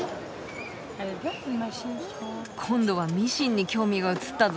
今度はミシンに興味が移ったぞ。